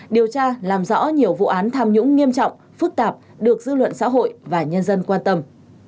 điều tra làm rõ nhiều vụ án tham nhũng nghiêm trọng phức tạp được dư luận xã hội và nhân dân quan tâm